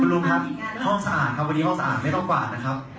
ลุงครับห้องสะอาดครับวันนี้ห้องสะอาดไม่ต้องกวาดนะครับ